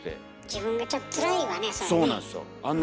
自分がちょっとつらいわねそれね。